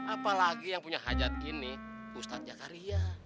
apalagi yang punya hajat gini ustadz jakaria